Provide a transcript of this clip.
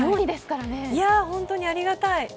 本当にありがたい。